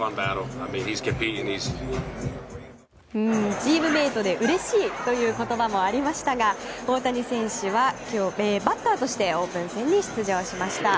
チームメートでうれしいという言葉もありましたが大谷選手は今日バッターとしてオープン戦に出場しました。